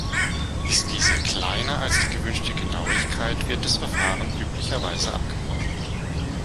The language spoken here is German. Ist diese kleiner als die gewünschte Genauigkeit wird das Verfahren üblicherweise abgebrochen.